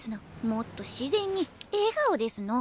もっと自然に笑顔ですの！